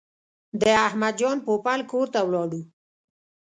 د احمد جان پوپل کور ته ولاړو.